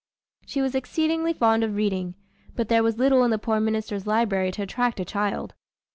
She was exceedingly fond of reading, but there was little in a poor minister's library to attract a child.